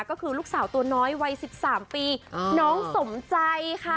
ก็คือลูกสาวตัวน้อยวัย๑๓ปีน้องสมใจค่ะ